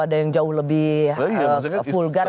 ada yang jauh lebih vulgar